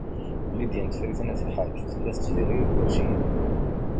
Lidya n Tifrit n At Lḥaǧ tella tettderrir ikersiyen.